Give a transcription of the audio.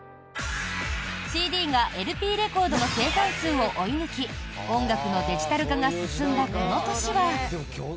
ＣＤがＬＰレコードの生産数を追い抜き音楽のデジタル化が進んだこの年は。